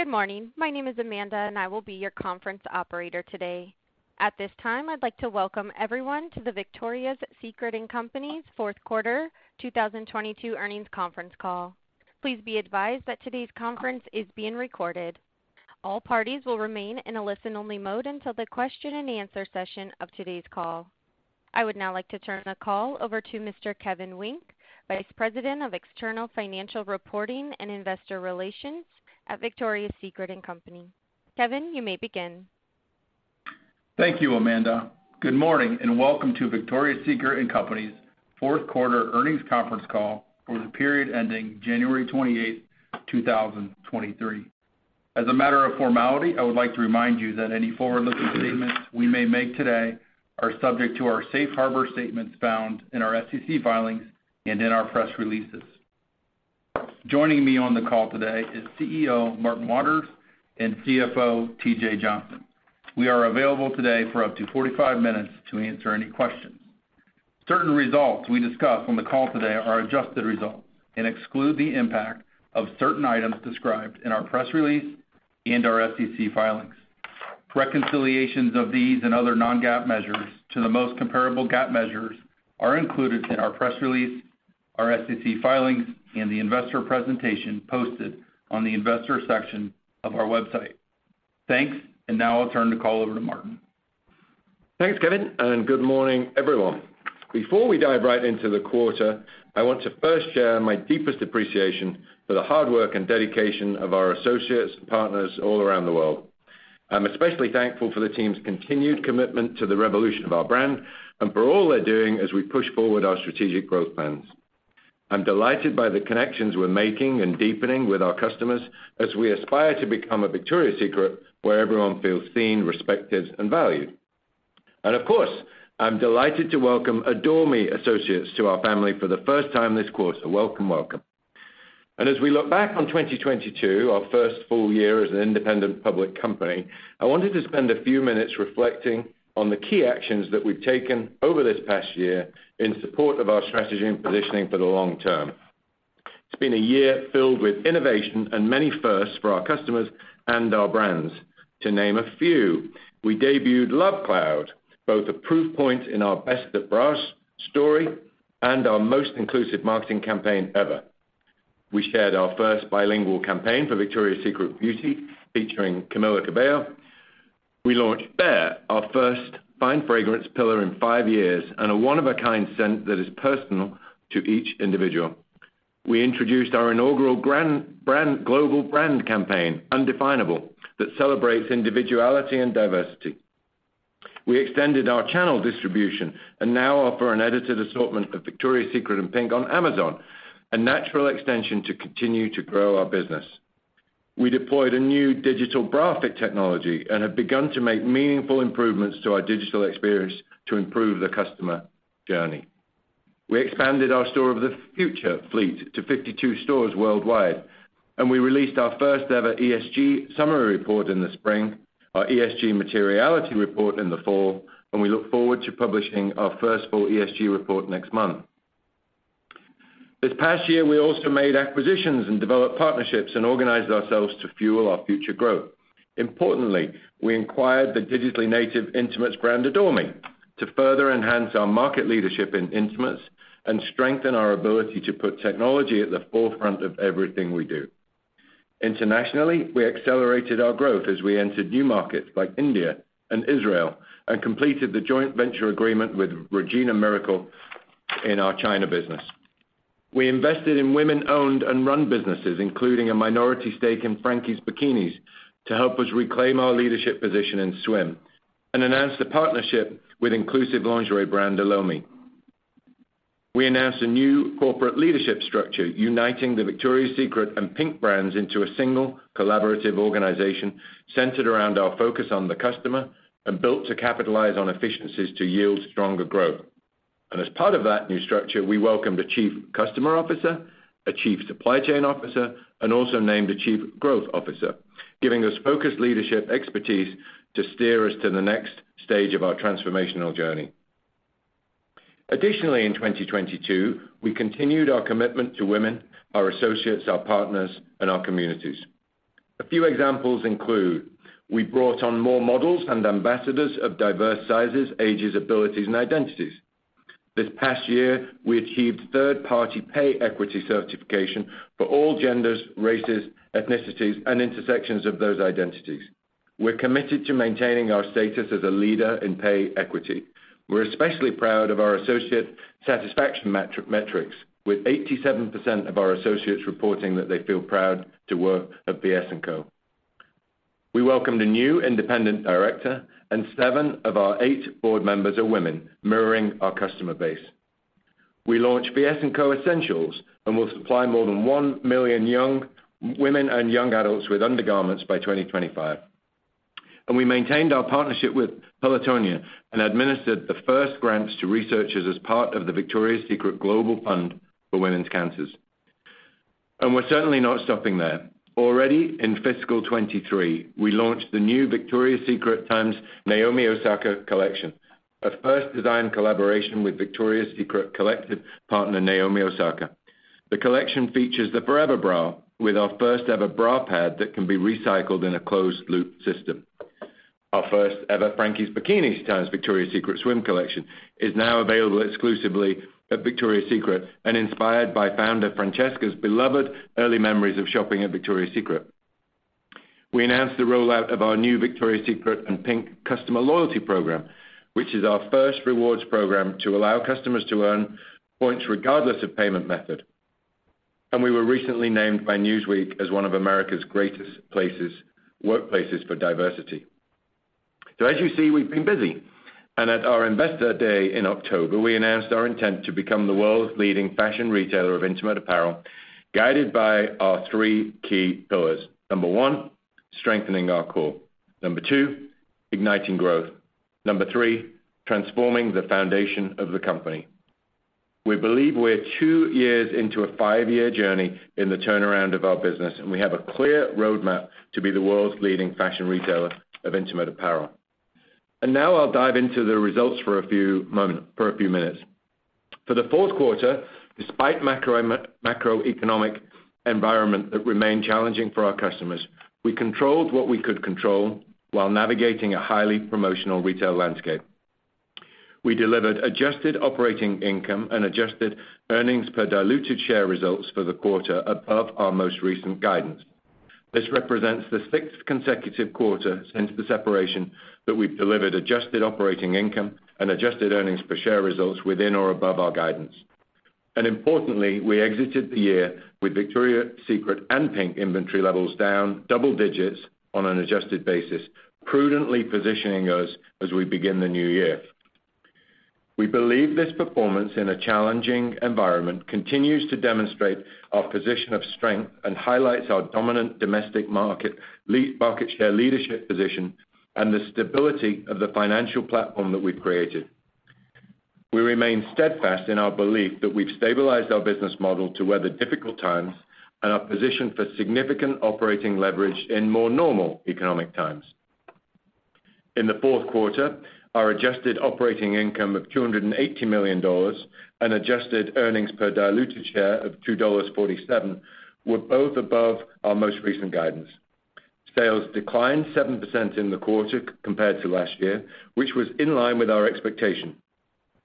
Good morning. My name is Amanda, and I will be your conference operator today. At this time, I'd like to welcome everyone to the Victoria's Secret & Co.'s fourth quarter 2022 earnings conference call. Please be advised that today's conference is being recorded. All parties will remain in a listen-only mode until the question-and-answer session of today's call. I would now like to turn the call over to Mr. Kevin Wynk, Vice President of External Financial Reporting and Investor Relations at Victoria's Secret & Co.. Kevin, you may begin. Thank you, Amanda. Good morning, welcome to Victoria's Secret & Co.'s fourth quarter earnings conference call for the period ending January 28, 2023. As a matter of formality, I would like to remind you that any forward-looking statements we may make today are subject to our safe harbor statements found in our SEC filings and in our press releases. Joining me on the call today is CEO Martin Waters and CFO TJ Johnson. We are available today for up to 45 minutes to answer any questions. Certain results we discuss on the call today are adjusted results and exclude the impact of certain items described in our press release and our SEC filings. Reconciliations of these and other non-GAAP measures to the most comparable GAAP measures are included in our press release, our SEC filings, and the investor presentation posted on the investor section of our website. Thanks. Now I'll turn the call over to Martin. Thanks, Kevin. Good morning, everyone. Before we dive right into the quarter, I want to first share my deepest appreciation for the hard work and dedication of our associates and partners all around the world. I'm especially thankful for the team's continued commitment to the revolution of our brand and for all they're doing as we push forward our strategic growth plans. I'm delighted by the connections we're making and deepening with our customers as we aspire to become a Victoria's Secret where everyone feels seen, respected, and valued. Of course, I'm delighted to welcome Adore Me associates to our family for the first time this quarter. Welcome, welcome. As we look back on 2022, our first full year as an independent public company, I wanted to spend a few minutes reflecting on the key actions that we've taken over this past year in support of our strategy and positioning for the long term. It's been a year filled with innovation and many firsts for our customers and our brands. To name a few, we debuted Love Cloud, both a proof point in our best-fit bras story and our most inclusive marketing campaign ever. We shared our first bilingual campaign for Victoria's Secret Beauty, featuring Camila Cabello. We launched Bare, our first fine fragrance pillar in five years and a one-of-a-kind scent that is personal to each individual. We introduced our inaugural global brand campaign, Undefinable, that celebrates individuality and diversity. We extended our channel distribution and now offer an edited assortment of Victoria's Secret and PINK on Amazon, a natural extension to continue to grow our business. We deployed a new digital bra fit technology and have begun to make meaningful improvements to our digital experience to improve the customer journey. We expanded our Store of the Future fleet to 52 stores worldwide. We released our first-ever ESG summary report in the spring, our ESG materiality report in the fall, we look forward to publishing our first full ESG report next month. This past year, we also made acquisitions and developed partnerships and organized ourselves to fuel our future growth. Importantly, we acquired the digitally native intimates brand Adore Me to further enhance our market leadership in intimates and strengthen our ability to put technology at the forefront of everything we do. Internationally, we accelerated our growth as we entered new markets like India and Israel and completed the joint venture agreement with Regina Miracle in our China business. We invested in women-owned and -run businesses, including a minority stake in Frankies Bikinis, to help us reclaim our leadership position in swim and announced a partnership with inclusive lingerie brand Elomi. We announced a new corporate leadership structure uniting the Victoria's Secret and PINK brands into a single collaborative organization centered around our focus on the customer and built to capitalize on efficiencies to yield stronger growth. As part of that new structure, we welcomed a Chief Customer Officer, a Chief Supply Chain Officer, and also named a Chief Growth Officer, giving us focused leadership expertise to steer us to the next stage of our transformational journey. In 2022, we continued our commitment to women, our associates, our partners, and our communities. A few examples include we brought on more models and ambassadors of diverse sizes, ages, abilities, and identities. This past year, we achieved third-party pay equity certification for all genders, races, ethnicities, and intersections of those identities. We're committed to maintaining our status as a leader in pay equity. We're especially proud of our associate satisfaction metrics, with 87% of our associates reporting that they feel proud to work at VS&Co. We welcomed a new independent director, seven of our eight board members are women, mirroring our customer base. We launched VS&Co Essentials, we'll supply more than one million young women and young adults with undergarments by 2025. We maintained our partnership with Pelotonia and administered the first grants to researchers as part of the Victoria's Secret Global Fund for Women's Cancers. We're certainly not stopping there. Already in fiscal 2023, we launched the new Victoria's Secret times Naomi Osaka collection, a first design collaboration with VS Collective partner, Naomi Osaka. The collection features the Forever Bra with our first-ever bra pad that can be recycled in a closed-loop system. Our first ever Frankies Bikinis turns Victoria's Secret Swim collection is now available exclusively at Victoria's Secret and inspired by founder Francesca's beloved early memories of shopping at Victoria's Secret. We announced the rollout of our new Victoria's Secret and PINK customer loyalty program, which is our first rewards program to allow customers to earn points regardless of payment method. We were recently named by Newsweek as one of America's greatest workplaces for diversity. As you see, we've been busy, and at our Investor Day in October, we announced our intent to become the world's leading fashion retailer of intimate apparel, guided by our three key pillars. Number one, strengthening our core. Number two, igniting growth. Number three, transforming the foundation of the company. We believe we're two years into a five-year journey in the turnaround of our business, and we have a clear roadmap to be the world's leading fashion retailer of intimate apparel. Now I'll dive into the results for a few minutes. For the fourth quarter, despite macroeconomic environment that remained challenging for our customers, we controlled what we could control while navigating a highly promotional retail landscape. We delivered adjusted operating income and adjusted earnings per diluted share results for the quarter above our most recent guidance. This represents the sixth consecutive quarter since the separation that we've delivered adjusted operating income and adjusted earnings per share results within or above our guidance. Importantly, we exited the year with Victoria's Secret and PINK inventory levels down double digits on an adjusted basis, prudently positioning us as we begin the new year. We believe this performance in a challenging environment continues to demonstrate our position of strength and highlights our dominant domestic market share leadership position, and the stability of the financial platform that we've created. We remain steadfast in our belief that we've stabilized our business model to weather difficult times and are positioned for significant operating leverage in more normal economic times. In the fourth quarter, our adjusted operating income of $280 million and adjusted earnings per diluted share of $2.47 were both above our most recent guidance. Sales declined 7% in the quarter compared to last year, which was in line with our expectation.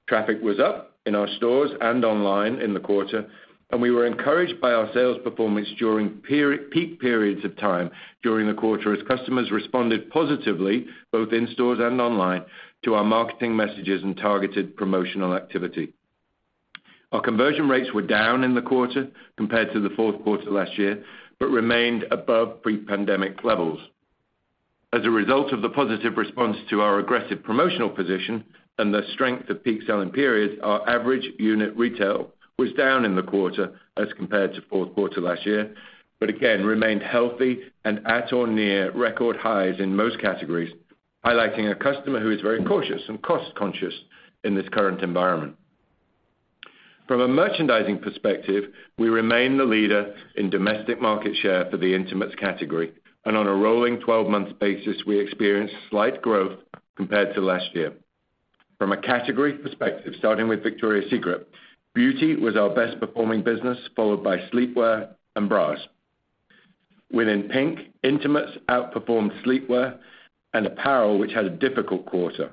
Traffic was up in our stores and online in the quarter, and we were encouraged by our sales performance during peak periods of time during the quarter as customers responded positively, both in stores and online, to our marketing messages and targeted promotional activity. Our conversion rates were down in the quarter compared to the fourth quarter last year, but remained above pre-pandemic levels. As a result of the positive response to our aggressive promotional position and the strength of peak selling periods, our average unit retail was down in the quarter as compared to fourth quarter last year, again remained healthy and at or near record highs in most categories, highlighting a customer who is very cautious and cost-conscious in this current environment. From a merchandising perspective, we remain the leader in domestic market share for the intimates category, and on a rolling 12-month basis, we experienced slight growth compared to last year. From a category perspective, starting with Victoria's Secret, beauty was our best performing business, followed by sleepwear and bras. Within PINK, intimates outperformed sleepwear and apparel, which had a difficult quarter.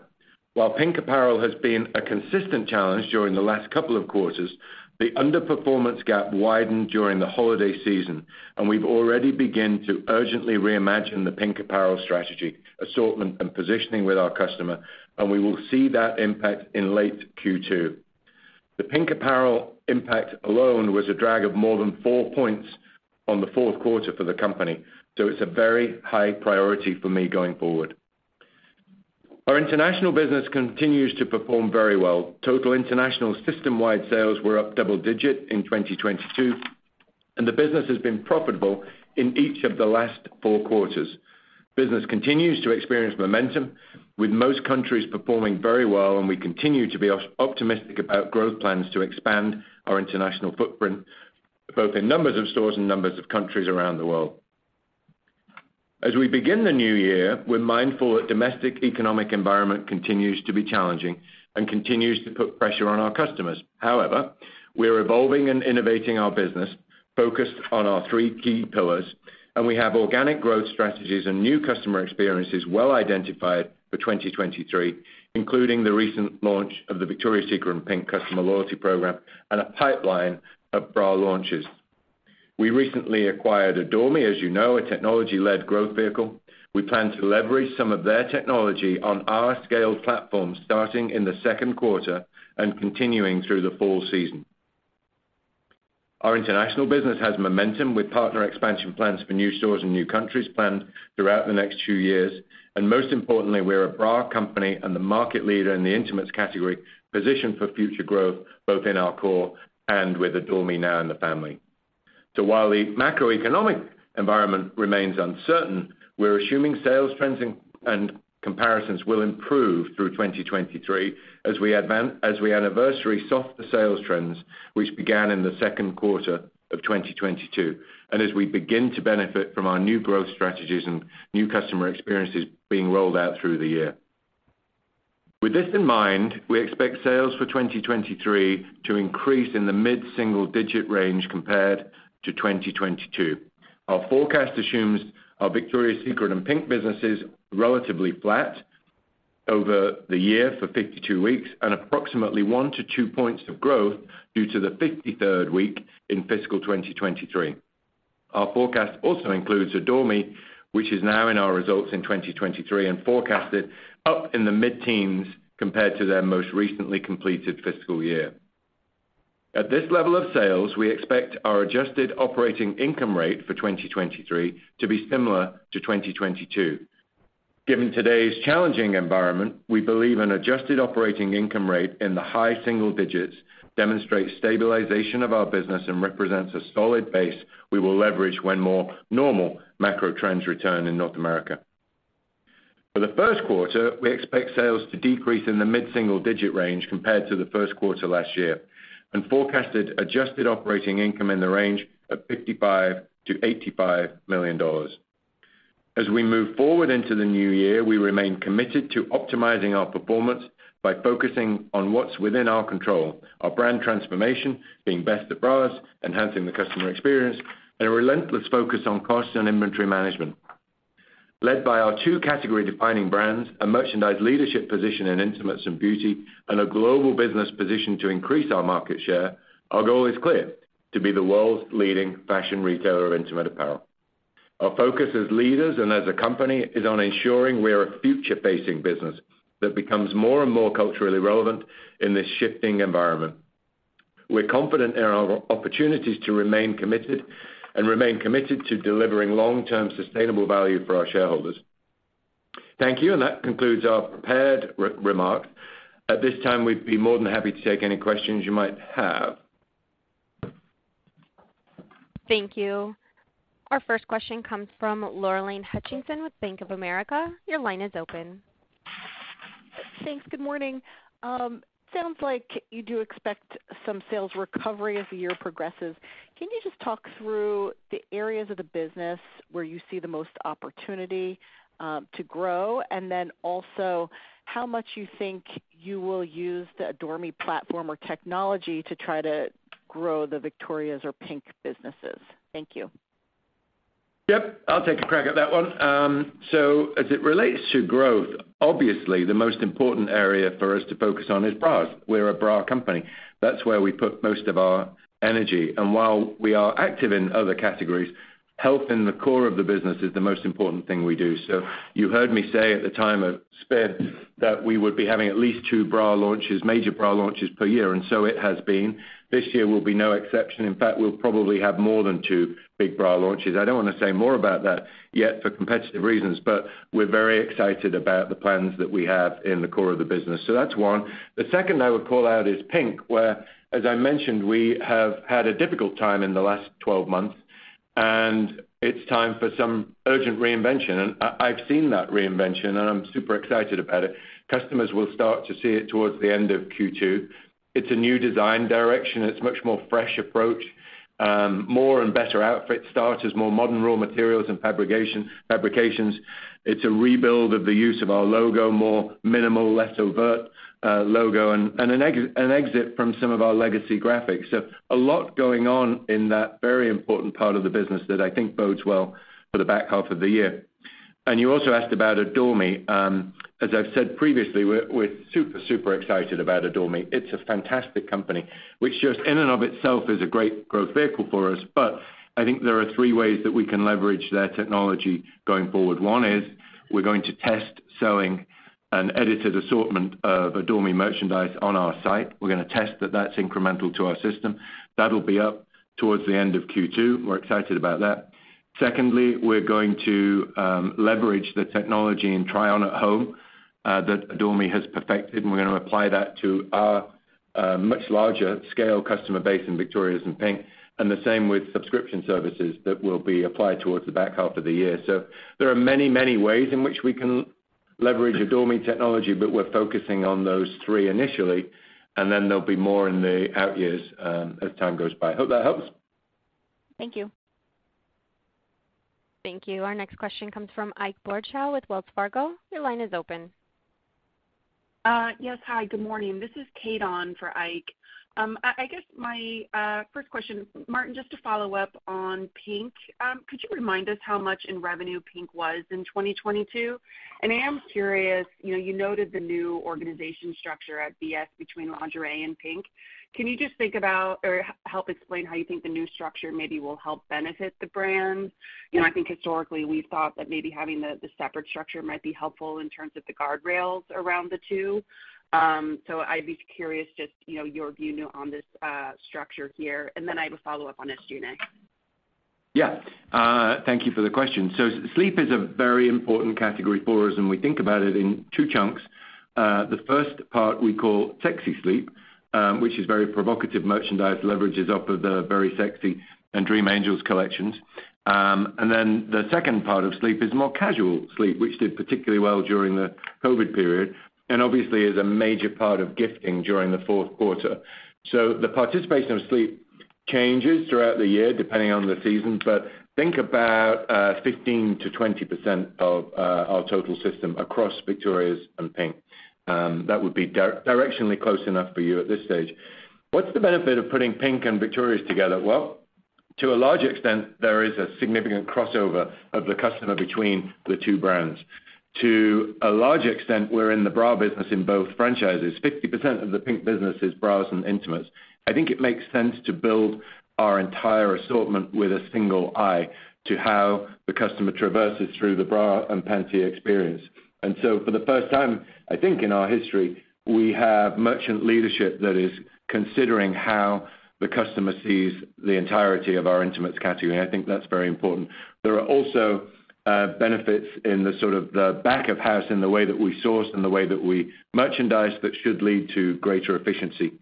While PINK apparel has been a consistent challenge during the last couple of quarters, the underperformance gap widened during the holiday season. We've already begun to urgently reimagine the PINK apparel strategy, assortment, and positioning with our customer, and we will see that impact in late Q2. The PINK apparel impact alone was a drag of more than four points on the fourth quarter for the company. It's a very high priority for me going forward. Our international business continues to perform very well. Total international system-wide sales were up double-digit in 2022. The business has been profitable in each of the last four quarters. Business continues to experience momentum, with most countries performing very well. We continue to be optimistic about growth plans to expand our international footprint, both in numbers of stores and numbers of countries around the world. As we begin the new year, we're mindful that domestic economic environment continues to be challenging and continues to put pressure on our customers. However, we are evolving and innovating our business, focused on our three key pillars, and we have organic growth strategies and new customer experiences well-identified for 2023, including the recent launch of the Victoria's Secret and PINK customer loyalty program and a pipeline of bra launches. We recently acquired Adore Me, as you know, a technology-led growth vehicle. We plan to leverage some of their technology on our scaled platform starting in the second quarter and continuing through the fall season. Our international business has momentum with partner expansion plans for new stores in new countries planned throughout the next few years. Most importantly, we're a bra company and the market leader in the intimates category positioned for future growth, both in our core and with Adore Me now in the family. While the macroeconomic environment remains uncertain, we're assuming sales trends and comparisons will improve through 2023 as we anniversary softer sales trends, which began in the second quarter of 2022, and as we begin to benefit from our new growth strategies and new customer experiences being rolled out through the year. With this in mind, we expect sales for 2023 to increase in the mid-single digit range compared to 2022. Our forecast assumes our Victoria's Secret and PINK businesses relatively flat over the year for 52 weeks and approximately one to two points of growth due to the 53rd week in fiscal 2023. Our forecast also includes Adore Me, which is now in our results in 2023 and forecasted up in the mid-teens compared to their most recently completed fiscal year. At this level of sales, we expect our adjusted operating income rate for 2023 to be similar to 2022. Given today's challenging environment, we believe an adjusted operating income rate in the high single digits demonstrates stabilization of our business and represents a solid base we will leverage when more normal macro trends return in North America. For the first quarter, we expect sales to decrease in the mid-single digit range compared to the first quarter last year and forecasted adjusted operating income in the range of $55 million-$85 million. As we move forward into the new year, we remain committed to optimizing our performance by focusing on what's within our control, our brand transformation, being best at bras, enhancing the customer experience, and a relentless focus on cost and inventory management. Led by our two category-defining brands, a merchandise leadership position in intimates and beauty, and a global business position to increase our market share, our goal is clear, to be the world's leading fashion retailer of intimate apparel. Our focus as leaders and as a company is on ensuring we are a future-facing business that becomes more and more culturally relevant in this shifting environment. We're confident in our opportunities to remain committed, and remain committed to delivering long-term sustainable value for our shareholders. Thank you. That concludes our prepared remark. At this time, we'd be more than happy to take any questions you might have. Thank you. Our first question comes from Lorraine Hutchinson with Bank of America. Your line is open. Thanks. Good morning. Sounds like you do expect some sales recovery as the year progresses. Can you just talk through the areas of the business where you see the most opportunity to grow? Also how much you think you will use the Adore Me platform or technology to try to grow the Victoria's or PINK businesses? Thank you. Yep, I'll take a crack at that one. As it relates to growth, obviously the most important area for us to focus on is bras. We're a bra company. That's where we put most of our energy. While we are active in other categories, health in the core of the business is the most important thing we do. You heard me say at the time of spin that we would be having at least two bra launches, major bra launches per year, it has been. This year will be no exception. In fact, we'll probably have more than two big bra launches. I don't wanna say more about that yet for competitive reasons, we're very excited about the plans that we have in the core of the business. That's one. The second I would call out is PINK, where, as I mentioned, we have had a difficult time in the last 12 months and it's time for some urgent reinvention. I've seen that reinvention, and I'm super excited about it. Customers will start to see it towards the end of Q2. It's a new design direction. It's a much more fresh approach, more and better outfit starters, more modern raw materials and fabrications. It's a rebuild of the use of our logo, more minimal, less overt logo, and an exit from some of our legacy graphics. A lot going on in that very important part of the business that I think bodes well for the back half of the year. You also asked about Adore Me. As I've said previously, we're super excited about Adore Me. It's a fantastic company, which just in and of itself is a great growth vehicle for us, but I think there are three ways that we can leverage their technology going forward. One is we're going to test selling an edited assortment of Adore Me merchandise on our site. We're gonna test that that's incremental to our system. That'll be up towards the end of Q2. We're excited about that. Secondly, we're going to leverage the technology in try on at home that Adore Me has perfected, and we're gonna apply that to our much larger scale customer base in Victoria's and PINK, and the same with subscription services that will be applied towards the back half of the year. There are many ways in which we can leverage Adore Me technology, but we're focusing on those three initially, and then there'll be more in the out years as time goes by. Hope that helps. Thank you. Thank you. Our next question comes from Ike Boruchow with Wells Fargo. Your line is open. Yes, hi, good morning. This is Kate on for Ike. I guess my first question, Martin, just to follow up on PINK, could you remind us how much in revenue PINK was in 2022? I am curious, you know, you noted the new organization structure at VS between lingerie and PINK. Can you just think about or help explain how you think the new structure maybe will help benefit the brands? You know, I think historically we thought that maybe having the separate structure might be helpful in terms of the guardrails around the two. I'd be curious just, you know, your view on this structure here. I have a follow-up on SG&A. Yeah. Thank you for the question. Sleep is a very important category for us, and we think about it in two chunks. The first part we call sexy sleep, which is very provocative merchandise, leverages off of the Very Sexy and Dream Angels collections. The second part of sleep is more casual sleep, which did particularly well during the COVID period and obviously is a major part of gifting during the fourth quarter. The participation of sleep changes throughout the year, depending on the season. Think about 15%-20% of our total system across Victoria's and PINK. That would be directionally close enough for you at this stage. What's the benefit of putting PINK and Victoria's together? Well, to a large extent, there is a significant crossover of the customer between the two brands. To a large extent, we're in the bra business in both franchises. 50% of the PINK business is bras and intimates. I think it makes sense to build our entire assortment with a single eye to how the customer traverses through the bra and panty experience. So for the first time, I think in our history, we have merchant leadership that is considering how the customer sees the entirety of our intimates category. I think that's very important. There are also benefits in the sort of the back of house in the way that we source and the way that we merchandise that should lead to greater efficiency.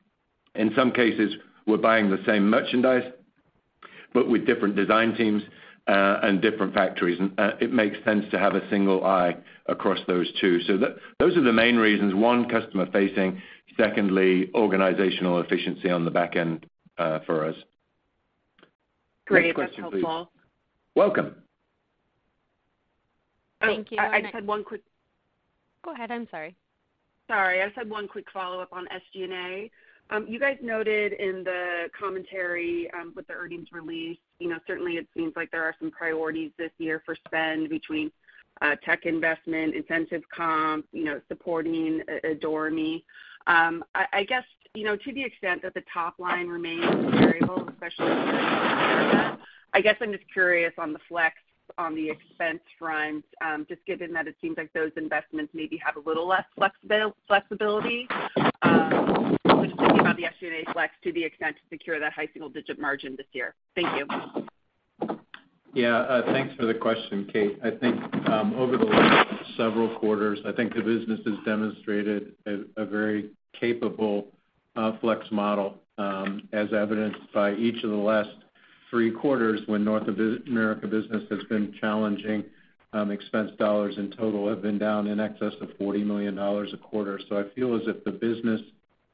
In some cases, we're buying the same merchandise, but with different design teams and different factories. It makes sense to have a single eye across those two. Those are the main reasons, one, customer-facing, secondly, organizational efficiency on the back end, for us. Great. That's helpful. Welcome. Thank you. I just had one quick... Go ahead. I'm sorry. Sorry. I just had one quick follow-up on SG&A. You guys noted in the commentary, with the earnings release, you know, certainly it seems like there are some priorities this year for spend between, tech investment, incentive comp, you know, supporting Adore Me. I guess, you know, to the extent that the top line remains variable, especially I guess I'm just curious on the flex on the expense front, just given that it seems like those investments maybe have a little less flexibility, just thinking about the SG&A flex to the extent to secure that high single-digit margin this year. Thank you. Yeah. Thanks for the question, Kate. I think over the last several quarters, I think the business has demonstrated a very capable flex model, as evidenced by each of the last three quarters when North America business has been challenging, expense dollars in total have been down in excess of $40 million a quarter. I feel as if the business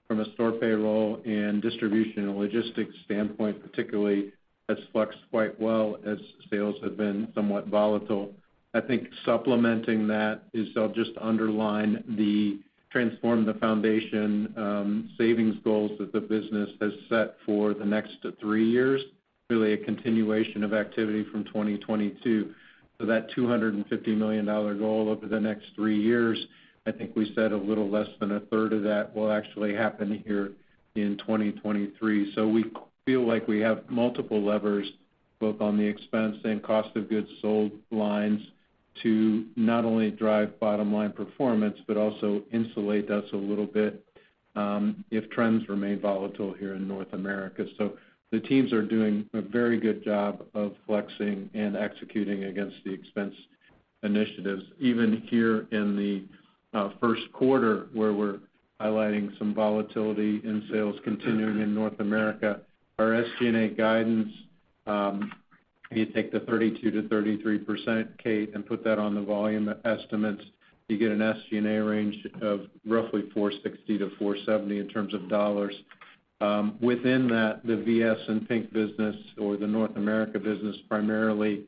from a store payroll and distribution and logistics standpoint, particularly has flexed quite well as sales have been somewhat volatile. I think supplementing that is I'll just underline the Transform the Foundation savings goals that the business has set for the next three years, really a continuation of activity from 2022. That $250 million goal over the next three years, I think we said a little less than a third of that will actually happen here in 2023. We feel like we have multiple levers, both on the expense and cost of goods sold lines to not only drive bottom line performance, but also insulate us a little bit if trends remain volatile here in North America. The teams are doing a very good job of flexing and executing against the expense initiatives. Even here in the first quarter, where we're highlighting some volatility in sales continuing in North America, our SG&A guidance, if you take the 32%-33%, Kate, and put that on the volume estimates, you get an SG&A range of roughly $460 million-$470 million. Within that, the VS and PINK business or the North America business primarily,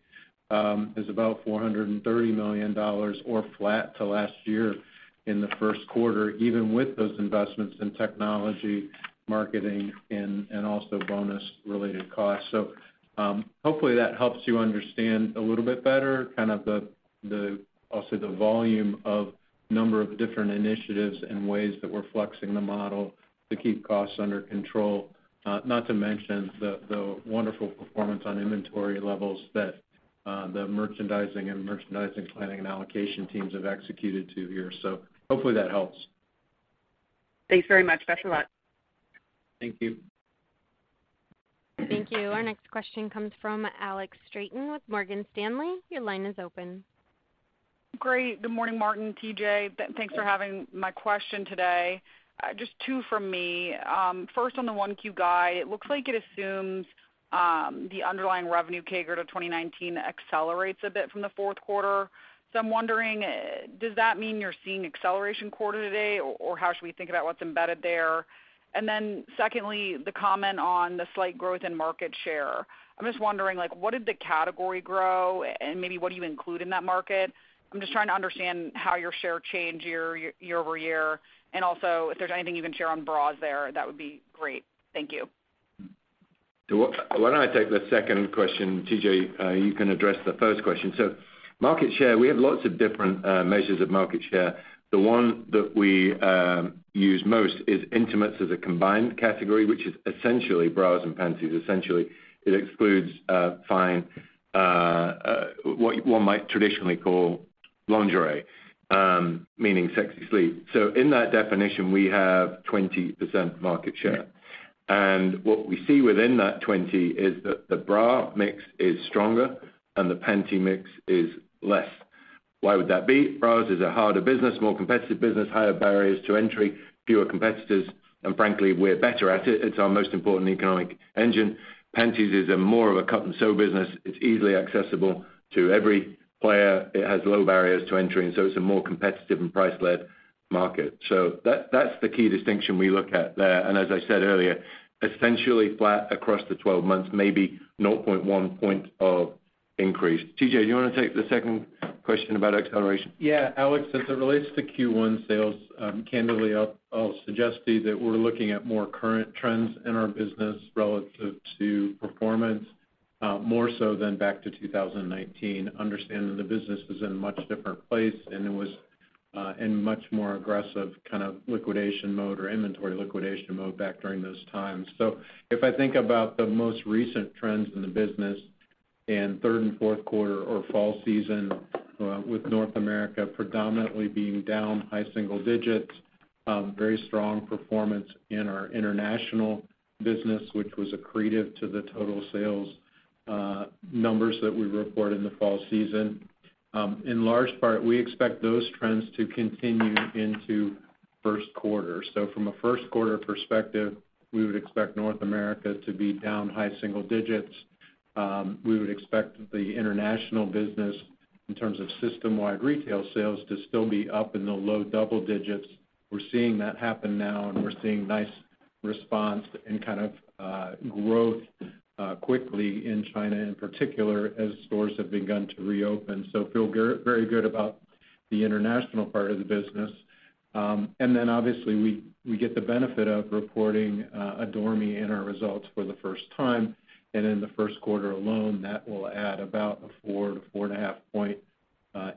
is about $430 million or flat to last year in the first quarter, even with those investments in technology, marketing and also bonus related costs. Hopefully that helps you understand a little bit better kind of the also the volume of number of different initiatives and ways that we're flexing the model to keep costs under control, not to mention the wonderful performance on inventory levels that, the merchandising and merchandising planning and allocation teams have executed to here. Hopefully that helps. Thanks very much. That's a lot. Thank you. Thank you. Our next question comes from Alex Straton with Morgan Stanley. Your line is open. Great. Good morning, Martin, T.J. Thanks for having my question today. Just two from me. First on the 1Q guide, it looks like it assumes the underlying revenue CAGR of 2019 accelerates a bit from the fourth quarter. I'm wondering, does that mean you're seeing acceleration quarter to date, or how should we think about what's embedded there? Secondly, the comment on the slight growth in market share. I'm just wondering, like, what did the category grow and maybe what do you include in that market? I'm just trying to understand how your share changed year over year. If there's anything you can share on bras there, that would be great. Thank you. Why don't I take the second question, TJ, you can address the first question. Market share, we have lots of different measures of market share. The one that we use most is intimates as a combined category, which is essentially bras and panties. Essentially, it excludes fine, what one might traditionally call lingerie, meaning sexy sleep. In that definition, we have 20% market share. What we see within that 20% is that the bra mix is stronger and the panty mix is less. Why would that be? Bras is a harder business, more competitive business, higher barriers to entry, fewer competitors, and frankly, we're better at it. It's our most important economic engine. Panties is a more of a cut and sew business. It's easily accessible to every player. It has low barriers to entry, it's a more competitive and price-led market. That's the key distinction we look at there. As I said earlier, essentially flat across the 12 months, maybe 0.1 point of increased. TJ, do you wanna take the second question about acceleration? Yeah, Alex, as it relates to Q1 sales, candidly, I'll suggest to you that we're looking at more current trends in our business relative to performance, more so than back to 2019, understanding the business is in a much different place and it was in much more aggressive kind of liquidation mode or inventory liquidation mode back during those times. If I think about the most recent trends in the business and third and fourth quarter or fall season, with North America predominantly being down high single digits, very strong performance in our international business, which was accretive to the total sales numbers that we report in the fall season. In large part, we expect those trends to continue into first quarter. From a first quarter perspective, we would expect North America to be down high single digits. We would expect the international business in terms of system-wide retail sales to still be up in the low double digits. We're seeing that happen now, and we're seeing nice response and kind of growth quickly in China in particular as stores have begun to reopen. Feel very good about the international part of the business. Obviously, we get the benefit of reporting Adore Me in our results for the first time. In the first quarter alone, that will add about a four to 4.5 point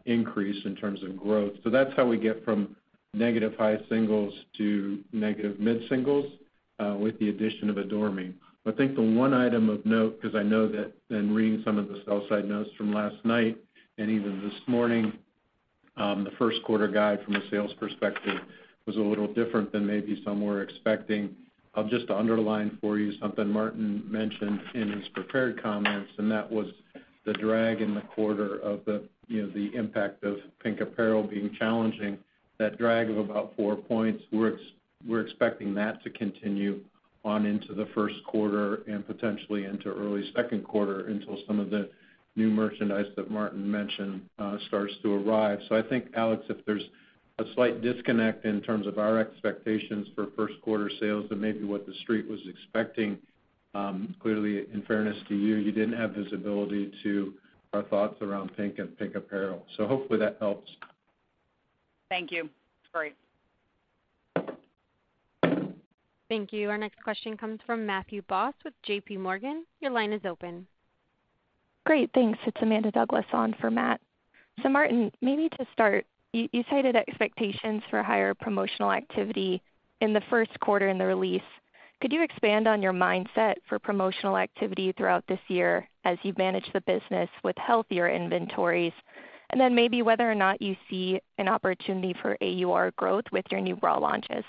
increase in terms of growth. That's how we get from negative high singles to negative mid-singles with the addition of Adore Me. I think the one item of note, 'cause I know that in reading some of the sell side notes from last night and even this morning, the first quarter guide from a sales perspective was a little different than maybe some were expecting. I'll just underline for you something Martin mentioned in his prepared comments, that was the drag in the quarter of the, you know, the impact of PINK apparel being challenging, that drag of about four points. We're expecting that to continue on into the first quarter and potentially into early second quarter until some of the new merchandise that Martin mentioned starts to arrive. I think, Alex, if there's a slight disconnect in terms of our expectations for first quarter sales than maybe what the street was expecting, clearly, in fairness to you didn't have visibility to our thoughts around PINK and PINK apparel. Hopefully that helps. Thank you. That's great. Thank you. Our next question comes from Matthew Boss with JPMorgan. Your line is open. Great. Thanks. It's Amanda Douglas on for Matthew Boss. Martin, maybe to start, you cited expectations for higher promotional activity in the first quarter in the release. Could you expand on your mindset for promotional activity throughout this year as you manage the business with healthier inventories? Maybe whether or not you see an opportunity for AUR growth with your new bra launches.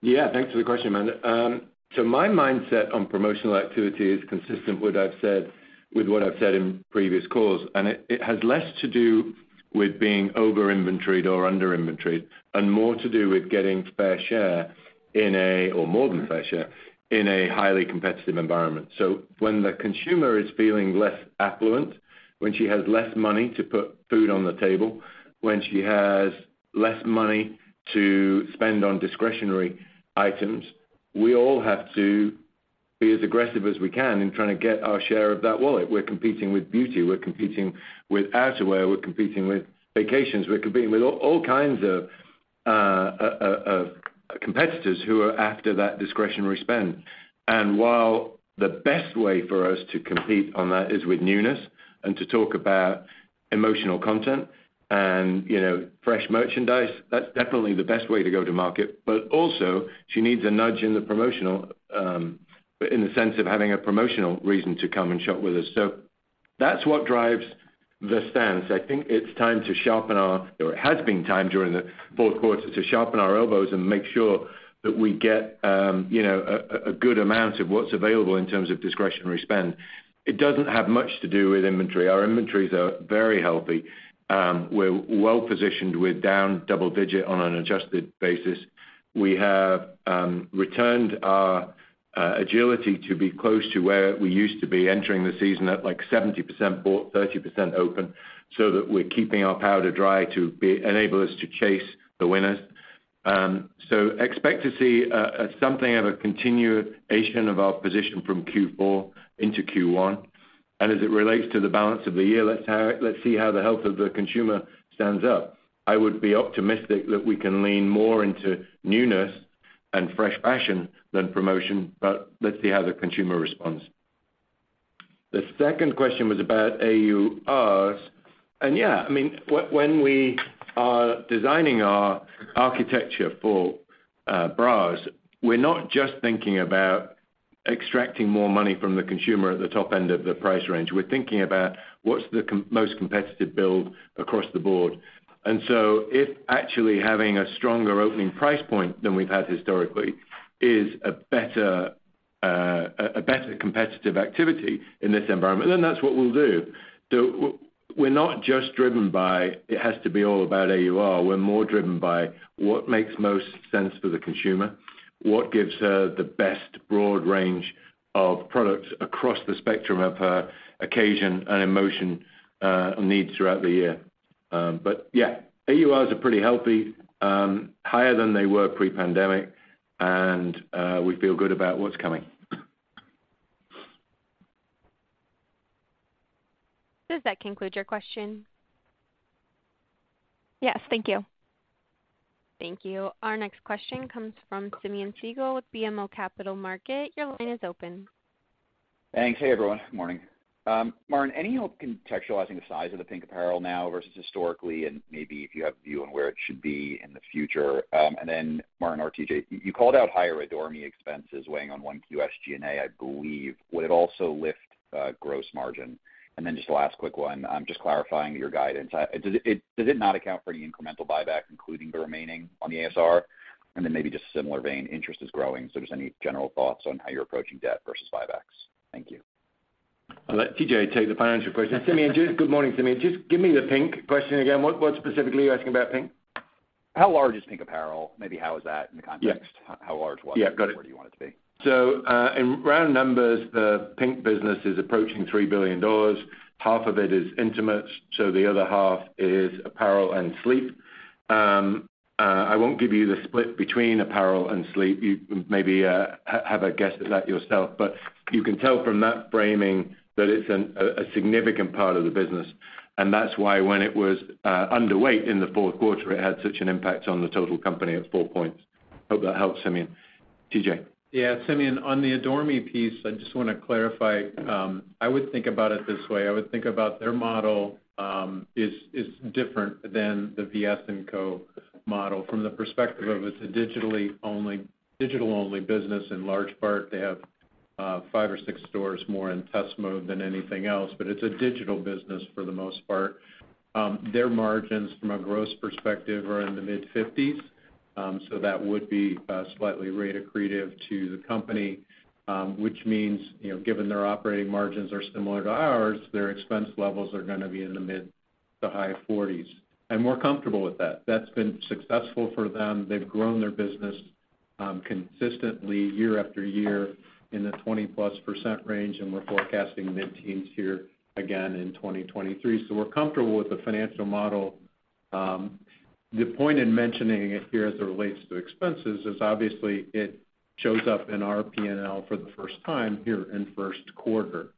Yeah. Thanks for the question, Amanda. My mindset on promotional activity is consistent with what I've said in previous calls. It has less to do with being over-inventoried or under-inventoried and more to do with getting fair share in a, or more than fair share, in a highly competitive environment. When the consumer is feeling less affluent, when she has less money to put food on the table, when she has less money to spend on discretionary items, we all have to be as aggressive as we can in trying to get our share of that wallet. We're competing with beauty, we're competing with outerwear, we're competing with vacations, we're competing with all kinds of competitors who are after that discretionary spend. While the best way for us to compete on that is with newness and to talk about emotional content and, you know, fresh merchandise, that's definitely the best way to go to market. Also, she needs a nudge in the promotional, in the sense of having a promotional reason to come and shop with us. That's what drives the stance. It has been time during the fourth quarter to sharpen our elbows and make sure that we get, you know, a good amount of what's available in terms of discretionary spend. It doesn't have much to do with inventory. Our inventories are very healthy. We're well-positioned. We're down double-digit on an adjusted basis. We have returned our agility to be close to where we used to be entering the season at, like, 70% full, 30% open, so that we're keeping our powder dry to enable us to chase the winners. So expect to see something of a continuation of our position from Q4 into Q1. As it relates to the balance of the year, let's see how the health of the consumer stands up. I would be optimistic that we can lean more into newness and fresh fashion than promotion, but let's see how the consumer responds. The second question was about AURs. Yeah, I mean, when we are designing our architecture for bras, we're not just thinking about extracting more money from the consumer at the top end of the price range. We're thinking about what's the most competitive build across the board. If actually having a stronger opening price point than we've had historically is a better, a better competitive activity in this environment, then that's what we'll do. We're not just driven by, it has to be all about AUR. We're more driven by what makes most sense for the consumer, what gives her the best broad range of products across the spectrum of her occasion and emotion, needs throughout the year. Yeah, AURs are pretty healthy, higher than they were pre-pandemic and we feel good about what's coming. Does that conclude your question? Yes. Thank you. Thank you. Our next question comes from Simeon Siegel with BMO Capital Markets. Your line is open. Thanks. Hey, everyone. Morning. Martin, any help contextualizing the size of the PINK apparel now versus historically, and maybe if you have a view on where it should be in the future? Martin or TJ, you called out higher Adore Me expenses weighing on 1Q SG&A, I believe. Would it also lift gross margin? Just the last quick one, I'm just clarifying your guidance. Does it not account for any incremental buyback, including the remaining on the ASR? Maybe just similar vein, interest is growing, just any general thoughts on how you're approaching debt versus buybacks? Thank you. I'll let TJ take the financial question. Simeon, Good morning, Simeon. Just give me the PINK question again. What specifically are you asking about PINK? How large is PINK apparel? Maybe how is that in the context- Yes. How large was it? Yeah, got it. Where do you want it to be? In round numbers, the PINK business is approaching $3 billion. Half of it is intimates, so the other half is apparel and sleep. I won't give you the split between apparel and sleep. You maybe have a guess at that yourself, but you can tell from that framing that it's a significant part of the business. That's why when it was underweight in the fourth quarter, it had such an impact on the total company at four points. Hope that helps, Simeon. TJ. Yeah, Simeon, on the Adore Me piece, I just want to clarify. I would think about it this way. I would think about their model is different than the VS&Co model from the perspective of it's a digital only business in large part. They have five or six stores more in test mode than anything else, but it's a digital business for the most part. Their margins from a gross perspective are in the mid-50s. So that would be slightly rate accretive to the company, which means, you know, given their operating margins are similar to ours, their expense levels are gonna be in the mid-to-high 40s. We're comfortable with that. That's been successful for them. They've grown their business consistently year after year in the 20%+ range, we're forecasting mid-teens here again in 2023. We're comfortable with the financial model. The point in mentioning it here as it relates to expenses is obviously it shows up in our P&L for the first time here in first quarter.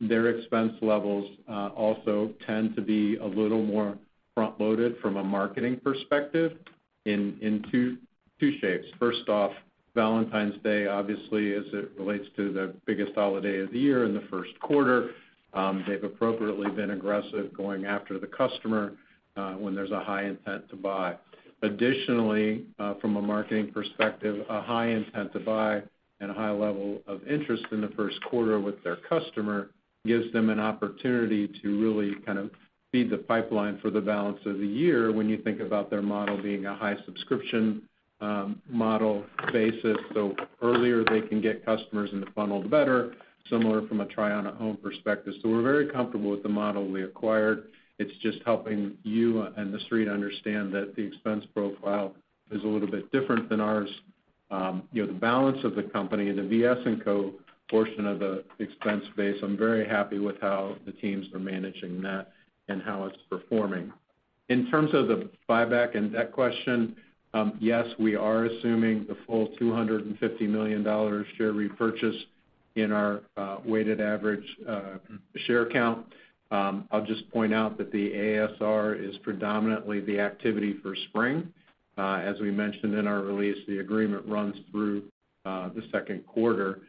Their expense levels also tend to be a little more front-loaded from a marketing perspective in two shapes. First off, Valentine's Day, obviously, as it relates to the biggest holiday of the year in the first quarter, they've appropriately been aggressive going after the customer when there's a high intent to buy. Additionally, from a marketing perspective, a high intent to buy and a high level of interest in the first quarter with their customer gives them an opportunity to really kind of feed the pipeline for the balance of the year when you think about their model being a high subscription model basis. Earlier they can get customers in the funnel, the better, similar from a try on at home perspective. We're very comfortable with the model we acquired. It's just helping you and the street understand that the expense profile is a little bit different than ours. You know, the balance of the company and the VS&Co portion of the expense base, I'm very happy with how the teams are managing that and how it's performing. In terms of the buyback and debt question, yes, we are assuming the full $250 million share repurchase in our weighted average share count. I'll just point out that the ASR is predominantly the activity for spring. As we mentioned in our release, the agreement runs through the second quarter.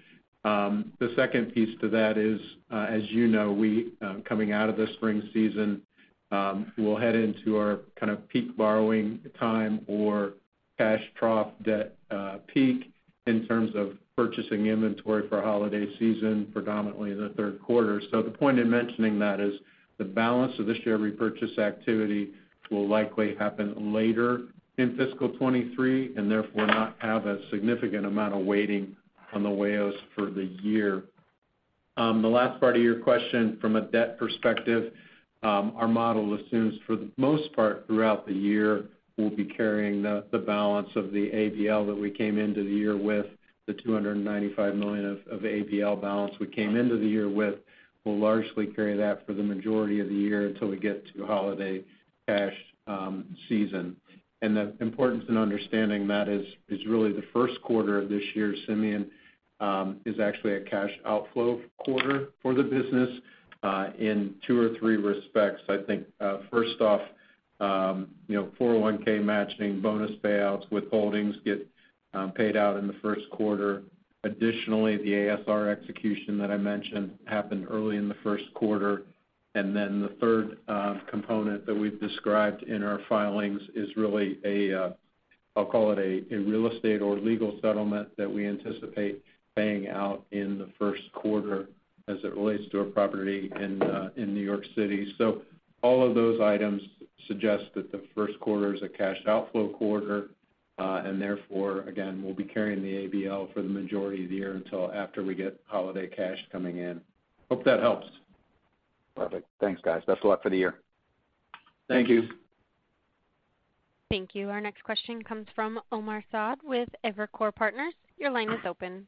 The second piece to that is as you know, we coming out of the spring season, we'll head into our kind of peak borrowing time or cash trough debt peak in terms of purchasing inventory for holiday season, predominantly in the third quarter. The point in mentioning that is the balance of the share repurchase activity will likely happen later in fiscal 2023, and therefore not have a significant amount of weighting on the way outs for the year. The last part of your question, from a debt perspective, our model assumes for the most part throughout the year, we'll be carrying the balance of the ABL that we came into the year with, the $295 million of ABL balance we came into the year with. We'll largely carry that for the majority of the year until we get to holiday cash season. The importance in understanding that is really the first quarter of this year, Simeon, is actually a cash outflow quarter for the business in two or three respects. I think, first off, you know, 401(k) matching, bonus payouts, withholdings get paid out in the first quarter. Additionally, the ASR execution that I mentioned happened early in the first quarter. The third component that we've described in our filings is really a, I'll call it a real estate or legal settlement that we anticipate paying out in the first quarter as it relates to a property in New York City. All of those items suggest that the first quarter is a cash outflow quarter, and therefore, again, we'll be carrying the ABL for the majority of the year until after we get holiday cash coming in. Hope that helps. Perfect. Thanks, guys. Best of luck for the year. Thank you. Thank you. Our next question comes from Omar Saad with Evercore Partners. Your line is open.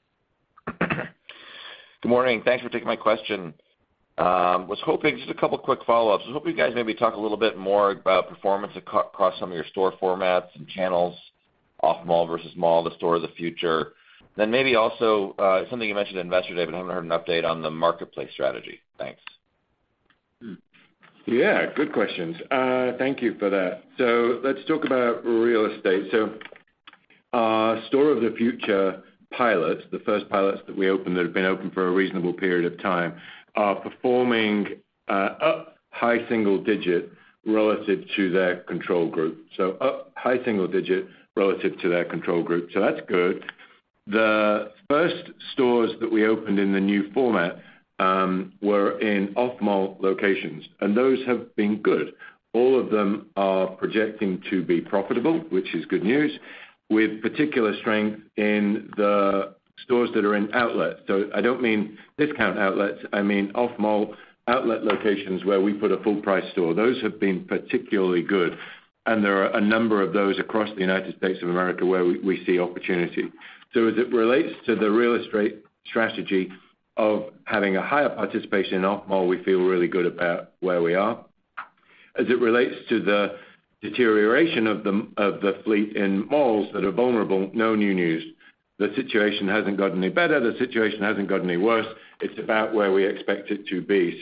Good morning. Thanks for taking my question. I was hoping just a couple quick follow-ups. I was hoping you guys maybe talk a little bit more about performance across some of your store formats and channels, off mall versus mall to Store of the Future. Maybe also, something you mentioned at Investor Day, but I haven't heard an update on the marketplace strategy. Thanks. Yeah, good questions. Thank you for that. Let's talk about real estate. Store of the Future pilots, the first pilots that we opened that have been open for a reasonable period of time are performing up high single digit relative to their control group. Up high single digit relative to their control group, that's good. The first stores that we opened in the new format were in off mall locations, those have been good. All of them are projecting to be profitable, which is good news, with particular strength in the stores that are in outlets. I don't mean discount outlets, I mean off mall outlet locations where we put a full price store. Those have been particularly good, there are a number of those across the United States of America where we see opportunity. As it relates to the real estate strategy of having a higher participation off mall, we feel really good about where we are. As it relates to the deterioration of the fleet in malls that are vulnerable, no new news. The situation hasn't gotten any better. The situation hasn't gotten any worse. It's about where we expect it to be.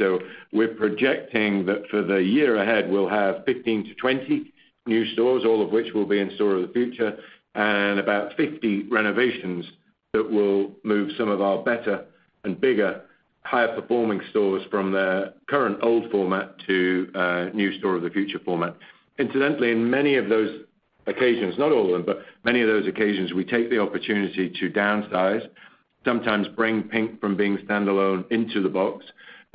We're projecting that for the year ahead, we'll have 15-20 new stores, all of which will be in Store of the Future, and about 50 renovations that will move some of our better and bigger, higher performing stores from their current old format to a new Store of the Future format. Incidentally, in many of those occasions, not all of them, but many of those occasions, we take the opportunity to downsize, sometimes bring PINK from being standalone into the box,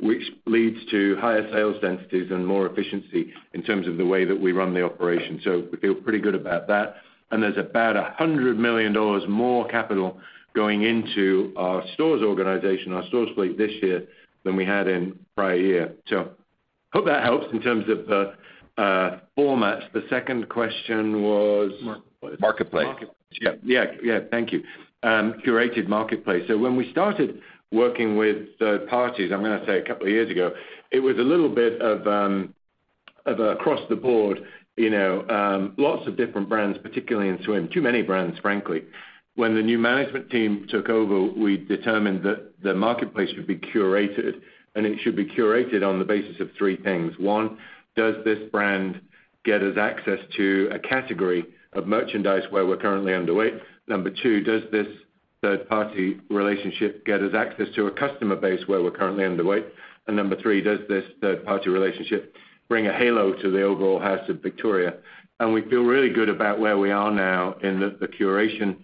which leads to higher sales densities and more efficiency in terms of the way that we run the operation. We feel pretty good about that. There's about $100 million more capital going into our stores organization, our stores fleet this year than we had in prior year. Hope that helps in terms of the formats. The second question was? Marketplace. Yeah. Yeah. Thank you. Curated marketplace. When we started working with third parties, I'm gonna say a couple of years ago, it was a little bit of across the board, you know, lots of different brands, particularly in swim. Too many brands, frankly. When the new management team took over, we determined that the marketplace should be curated, and it should be curated on the basis of three things. One, does this brand get us access to a category of merchandise where we're currently underweight? Number two, does this third party relationship get us access to a customer base where we're currently underweight? Number three, does this third party relationship bring a halo to the overall house of Victoria? We feel really good about where we are now, and that the curation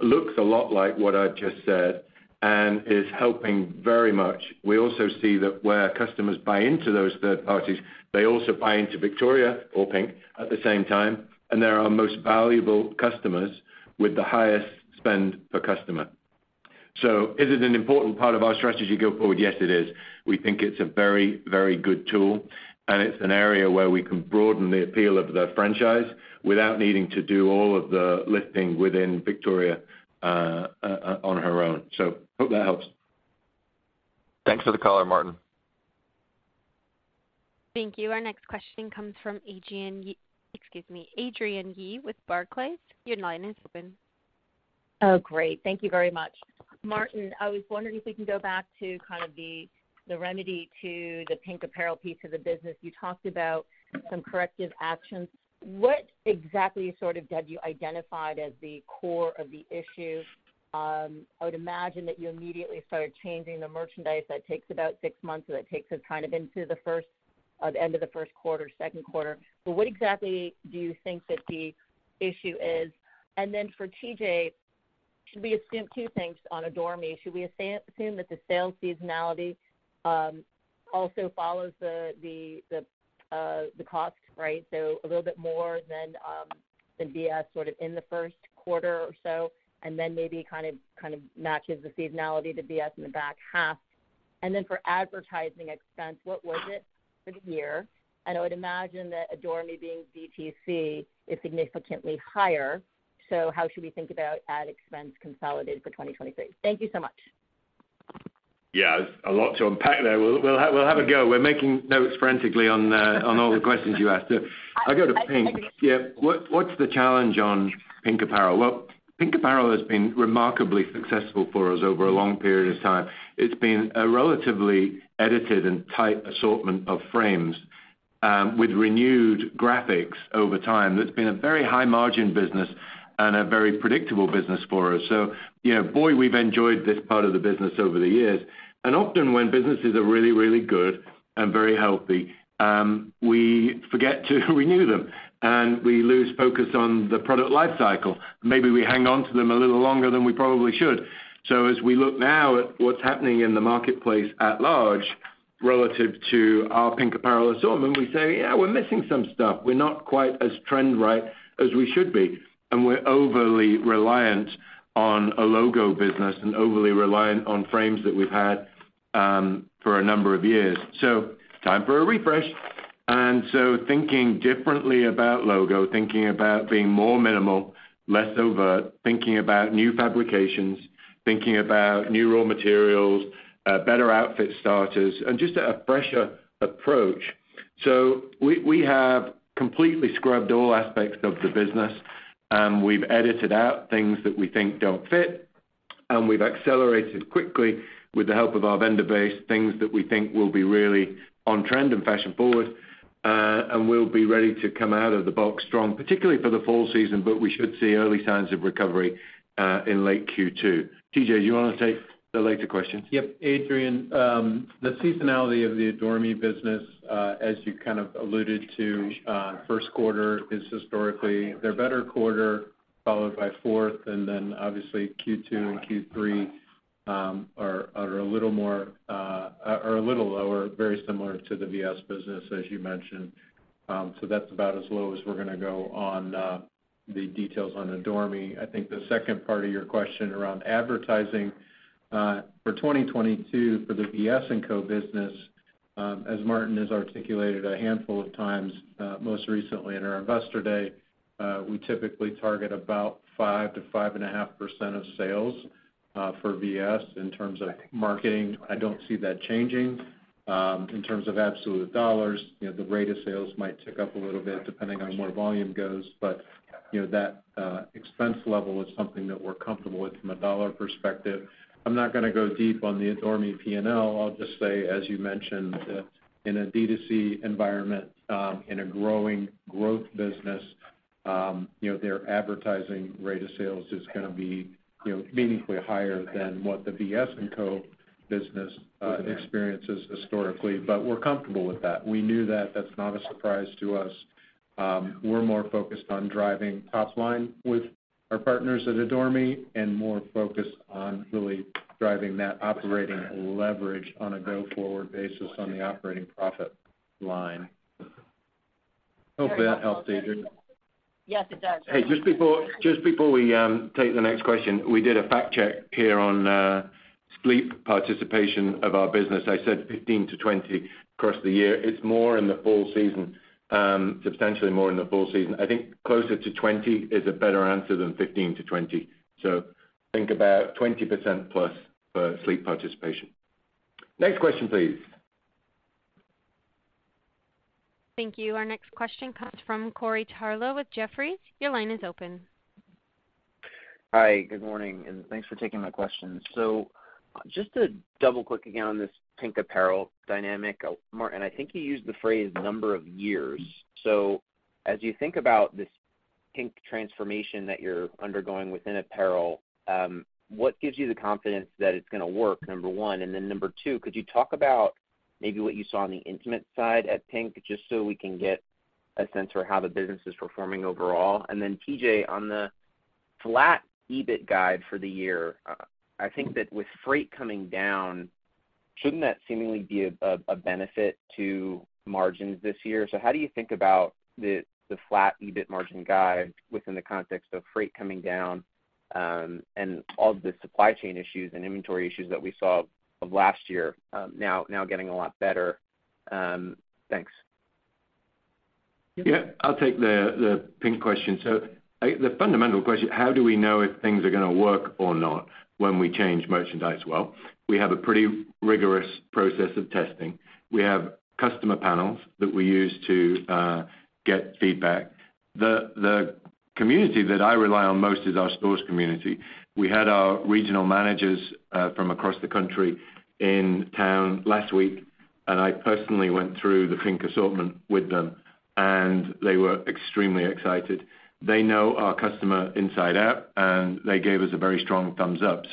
looks a lot like what I just said and is helping very much. We also see that where customers buy into those third parties, they also buy into Victoria or PINK at the same time, and they're our most valuable customers with the highest spend per customer. Is it an important part of our strategy going forward? Yes, it is. We think it's a very, very good tool, and it's an area where we can broaden the appeal of the franchise without needing to do all of the lifting within Victoria on her own. Hope that helps. Thanks for the color, Martin. Thank you. Our next question comes from, excuse me, Adrienne Yih with Barclays. Your line is open. Great. Thank you very much. Martin, I was wondering if we can go back to kind of the remedy to the PINK apparel piece of the business. You talked about some corrective actions. What exactly sort of have you identified as the core of the issue? I would imagine that you immediately started changing the merchandise that takes about six months, so that takes us kind of into the end of the first quarter, second quarter. What exactly do you think that the issue is? Then for TJ, should we assume two things on Adore Me? Should we assume that the sales seasonality also follows the cost, right? A little bit more than the VS sort of in the first quarter or so, then maybe kind of matches the seasonality to VS in the back half. For advertising expense, what was it for the year? I would imagine that Adore Me being DTC is significantly higher, how should we think about ad expense consolidated for 2023? Thank you so much. Yeah. A lot to unpack there. We'll have a go. We're making notes frantically on all the questions you asked. I'll go to PINK. Yeah. What's the challenge on PINK apparel? PINK apparel has been remarkably successful for us over a long period of time. It's been a relatively edited and tight assortment of frames, with renewed graphics over time. That's been a very high margin business and a very predictable business for us. You know, boy, we've enjoyed this part of the business over the years. Often when businesses are really, really good and very healthy, we forget to renew them, and we lose focus on the product life cycle. Maybe we hang on to them a little longer than we probably should. As we look now at what's happening in the marketplace at large relative to our PINK apparel assortment, we say, "Yeah, we're missing some stuff. We're not quite as trend right as we should be, and we're overly reliant on a logo business and overly reliant on frames that we've had for a number of years. Time for a refresh. Thinking differently about logo, thinking about being more minimal, less overt, thinking about new fabrications, thinking about new raw materials, better outfit starters, and just a fresher approach. We have completely scrubbed all aspects of the business, and we've edited out things that we think don't fit, and we've accelerated quickly with the help of our vendor base, things that we think will be really on trend and fashion-forward, and will be ready to come out of the box strong, particularly for the fall season, but we should see early signs of recovery in late Q2. TJ, do you want to take the later question? Yep. Adrienne, the seasonality of the Adore Me business, as you kind of alluded to, first quarter is historically their better quarter, followed by fourth, and then obviously Q2 and Q3 are a little lower, very similar to the VS business, as you mentioned. That's about as low as we're gonna go on the details on Adore Me. I think the second part of your question around advertising for 2022 for the VS&Co business, as Martin has articulated a handful of times, most recently in our Investor Day, we typically target about 5% to 5.5% of sales for VS in terms of marketing. I don't see that changing. In terms of absolute dollars, you know, the rate of sales might tick up a little bit depending on where volume goes, but, you know, that expense level is something that we're comfortable with from a dollars perspective. I'm not gonna go deep on the Adore Me P&L. I'll just say, as you mentioned, in a D2C environment, in a growing growth business, you know, their advertising rate of sales is gonna be, you know, meaningfully higher than what the VS&Co business experiences historically. We're comfortable with that. We knew that. That's not a surprise to us. We're more focused on driving top line with our partners at Adore Me and more focused on really driving that operating leverage on a go-forward basis on the operating profit line. Hopefully that helps, Adrienne. Yes, it does. Hey, just before we take the next question, we did a fact check here on sleep participation of our business. I said 15%-20% across the year. It's more in the fall season, substantially more in the fall season. I think closer to 20% is a better answer than 15%-20%. Think about 20%+ for sleep participation. Next question, please. Thank you. Our next question comes from Corey Tarlowe with Jefferies. Your line is open. Hi. Good morning, thanks for taking my questions. Just to double-click again on this PINK apparel dynamic, Martin, I think you used the phrase number of years. As you think about this PINK transformation that you're undergoing within apparel, what gives you the confidence that it's going to work, number one? Number two, could you talk about maybe what you saw on the intimates side at PINK, just so we can get a sense for how the business is performing overall? TJ, on the flat EBIT guide for the year, I think that with freight coming down, shouldn't that seemingly be a benefit to margins this year? How do you think about the flat EBIT margin guide within the context of freight coming down, and all the supply chain issues and inventory issues that we saw of last year, now getting a lot better? Thanks. Yeah. I'll take the PINK question. The fundamental question, how do we know if things are gonna work or not when we change merchandise? Well, we have a pretty rigorous process of testing. We have customer panels that we use to get feedback. The community that I rely on most is our stores community. We had our regional managers from across the country in town last week, and I personally went through the PINK assortment with them, and they were extremely excited. They know our customer inside out, and they gave us a very strong thumbs up.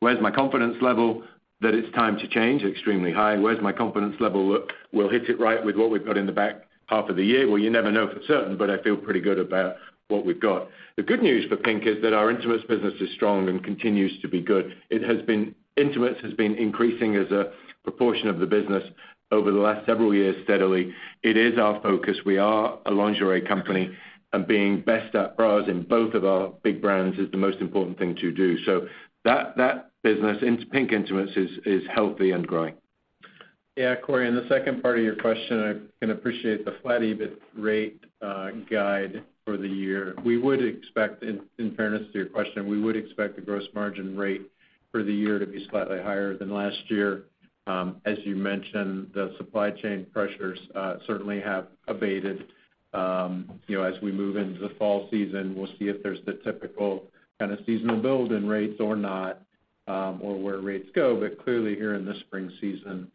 Where's my confidence level that it's time to change? Extremely high. Where's my confidence level we'll hit it right with what we've got in the back half of the year? Well, you never know for certain, but I feel pretty good about what we've got. The good news for PINK is that our intimates business is strong and continues to be good. Intimates has been increasing as a proportion of the business over the last several years steadily. It is our focus. We are a lingerie company, and being best at bras in both of our big brands is the most important thing to do. That business, PINK intimates, is healthy and growing. Yeah, Corey, on the second part of your question, I can appreciate the flat EBIT rate, guide for the year. We would expect in fairness to your question, we would expect the gross margin rate for the year to be slightly higher than last year. As you mentioned, the supply chain pressures, certainly have abated. You know, as we move into the fall season, we'll see if there's the typical kind of seasonal build in rates or not, or where rates go. Clearly here in the spring season,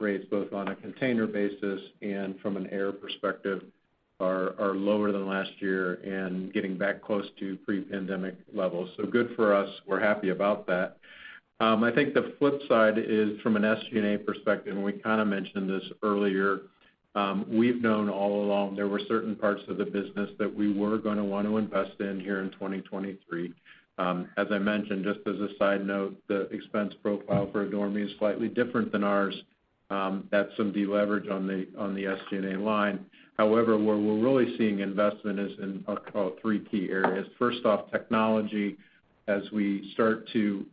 rates both on a container basis and from an air perspective are lower than last year and getting back close to pre-pandemic levels. Good for us. We're happy about that. I think the flip side is from an SG&A perspective, we kinda mentioned this earlier, we've known all along there were certain parts of the business that we were gonna want to invest in here in 2023. As I mentioned, just as a side note, the expense profile for Adore Me is slightly different than ours. That's some deleverage on the SG&A line. However, where we're really seeing investment is in about three key areas. First off, technology, as we start to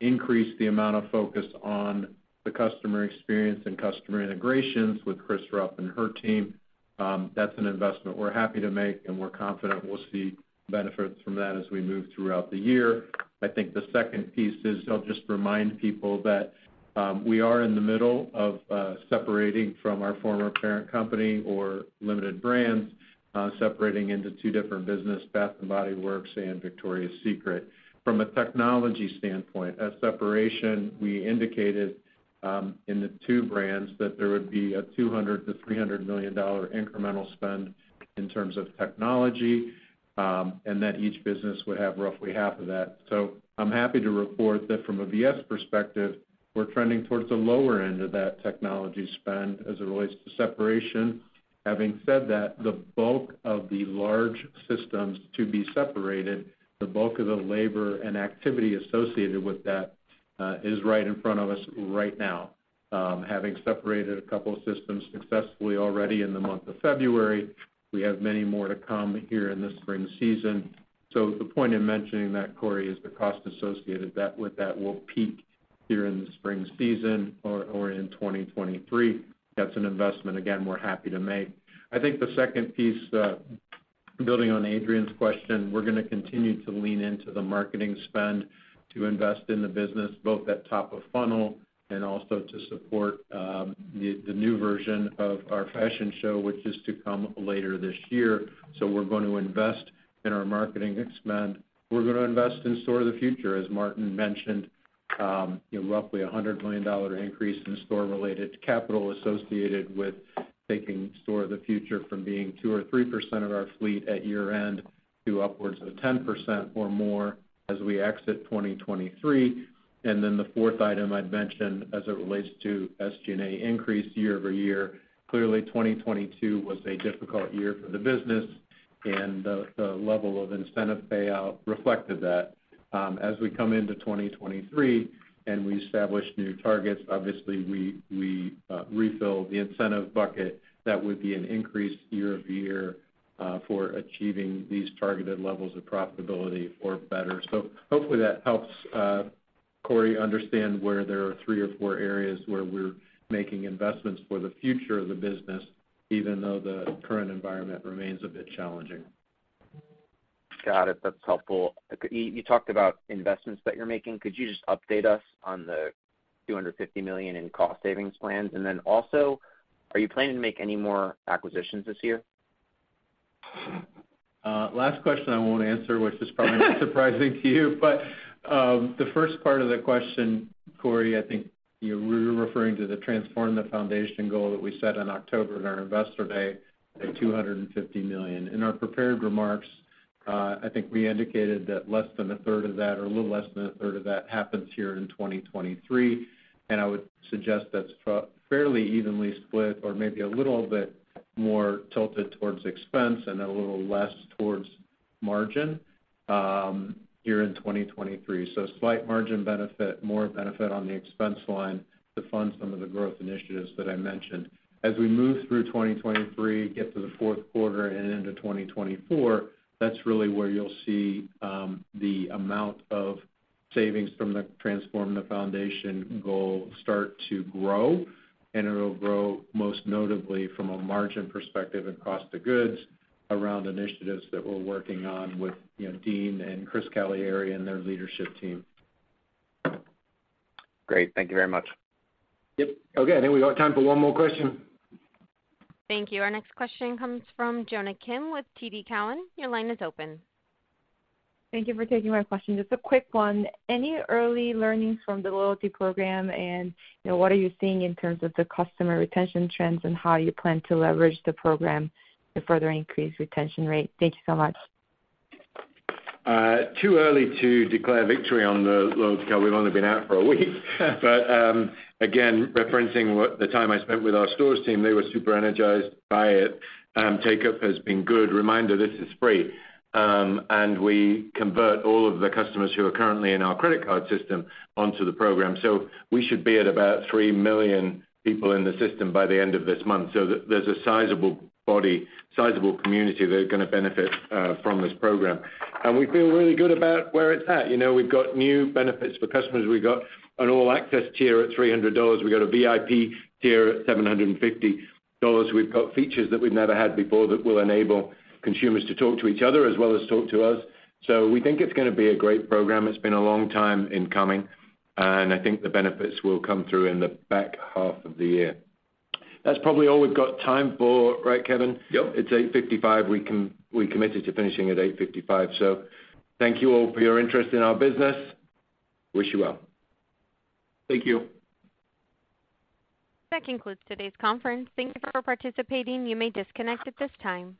increase the amount of focus on the customer experience and customer integrations with Chris Rupp and her team, that's an investment we're happy to make, and we're confident we'll see benefits from that as we move throughout the year. I think the second piece is I'll just remind people that, we are in the middle of separating from our former parent company or Limited Brands, separating into two different business, Bath & Body Works and Victoria's Secret. From a technology standpoint, at separation, we indicated in the two brands that there would be a $200 million-$300 million incremental spend in terms of technology, and that each business would have roughly half of that. I'm happy to report that from a VS perspective, we're trending towards the lower end of that technology spend as it relates to separation. Having said that, the bulk of the large systems to be separated, the bulk of the labor and activity associated with that, is right in front of us right now. Having separated a couple of systems successfully already in the month of February, we have many more to come here in the spring season. The point in mentioning that, Corey Tarlowe, is the cost associated with that will peak here in the spring season or in 2023. That's an investment, again, we're happy to make. I think the second piece, building on Adrienne's question, we're gonna continue to lean into the marketing spend to invest in the business, both at top of funnel and also to support the new version of our fashion show, which is to come later this year. We're going to invest in our marketing spend. We're gonna invest in Store of the Future, as Martin mentioned, you know, roughly a $100 million increase in store-related capital associated with taking Store of the Future from being 2% or 3% of our fleet at year-end to upwards of 10% or more as we exit 2023. The fourth item I'd mention as it relates to SG&A increase year-over-year, clearly 2022 was a difficult year for the business, and the level of incentive payout reflected that. As we come into 2023 and we establish new targets, obviously we refill the incentive bucket that would be an increase year-over-year for achieving these targeted levels of profitability or better. Hopefully that helps, Corey understand where there are three or four areas where we're making investments for the future of the business, even though the current environment remains a bit challenging. Got it. That's helpful. You talked about investments that you're making. Could you just update us on the $250 million in cost savings plans? Also, are you planning to make any more acquisitions this year? Last question I won't answer, which is probably not surprising to you. The first part of the question, Corey, I think you're referring to the Transform the Foundation goal that we set in October at our Investor Day at $250 million. In our prepared remarks, I think we indicated that less than a third of that or a little less than a third of that happens here in 2023. I would suggest that's fairly evenly split or maybe a little bit more tilted towards expense and a little less towards margin here in 2023. Slight margin benefit, more benefit on the expense line to fund some of the growth initiatives that I mentioned. As we move through 2023, get to the fourth quarter and into 2024, that's really where you'll see the amount of savings from the Transform the Foundation goal start to grow, and it'll grow most notably from a margin perspective and cost of goods around initiatives that we're working on with, you know, Dean and Chris Caliri and their leadership team. Great. Thank you very much. Yep. Okay, I think we got time for one more question. Thank you. Our next question comes from Jonna Kim with TD Cowen. Your line is open. Thank you for taking my question. Just a quick one. Any early learnings from the loyalty program? You know, what are you seeing in terms of the customer retention trends and how you plan to leverage the program to further increase retention rate? Thank you so much. Too early to declare victory on the loyalty card. We've only been out for a week. Again, referencing the time I spent with our stores team, they were super energized by it. Take up has been good. Reminder, this is free. We convert all of the customers who are currently in our credit card system onto the program. We should be at about three million people in the system by the end of this month. There's a sizable body, sizable community that are gonna benefit from this program. We feel really good about where it's at. You know, we've got new benefits for customers. We've got an all access tier at $300. We've got a VIP tier at $750. We've got features that we've never had before that will enable consumers to talk to each other as well as talk to us. We think it's gonna be a great program. It's been a long time in coming, and I think the benefits will come through in the back half of the year. That's probably all we've got time for, right, Kevin? Yep. It's 8:55. We committed to finishing at 8:55. Thank you all for your interest in our business. Wish you well. Thank you. That concludes today's conference. Thank you for participating. You may disconnect at this time.